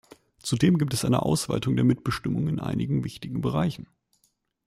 Zudem gibt es eine Ausweitung der Mitbestimmung in einigen wichtigen Bereichen.